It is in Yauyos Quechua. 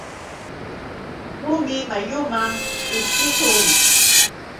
Rumi mayuman ishkiqlun.